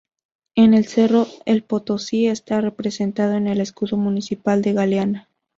El Cerro El potosí está representado en el escudo municipal de Galeana.